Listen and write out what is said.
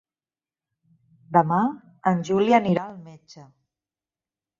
Demà en Juli anirà al metge.